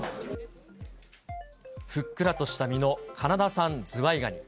ふっくらとした身のカナダ産ズワイガニ。